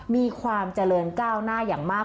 มีความเจริญก้าวหน้าอย่างมาก